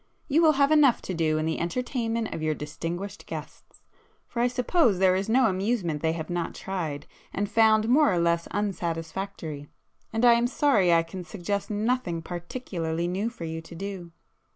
You will have enough to do in the entertainment of your distinguished guests, for I suppose there is no amusement they have not tried, and found more or less unsatisfactory, and I am sorry I can suggest nothing particularly new for you to do.